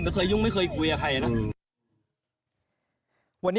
ผมยุ่งไม่เคยคุยกับกัน